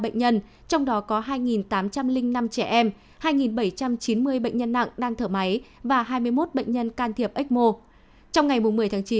trong đó có hai tám trăm linh năm trẻ em hai bảy trăm chín mươi bệnh nhân nặng đang thở máy và hai mươi một bệnh nhân can thiệp ecmo